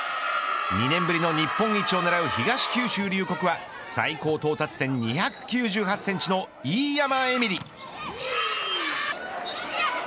２年ぶりの日本一を狙う東九州龍谷は最高到達点２９８センチの飯山エミリ。